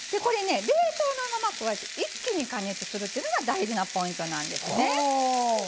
冷凍のまま一気に加熱するっていうのが大事なポイントなんですね。